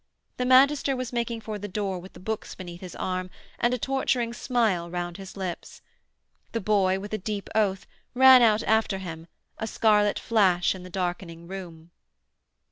The magister was making for the door with the books beneath his arm and a torturing smile round his lips. The boy, with a deep oath, ran out after him, a scarlet flash in the darkening room.